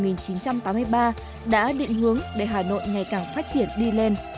nghị quyết về công tác thủ đô hà nội năm một nghìn chín trăm tám mươi ba đã định hướng để hà nội ngày càng phát triển đi lên